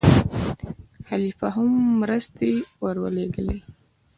خلیفه هم مرستې ورولېږلې.